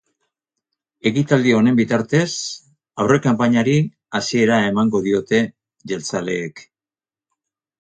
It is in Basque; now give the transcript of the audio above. Ekitaldi honen bitartez, aurrekanpainari hasiera emango diote jeltzaleek.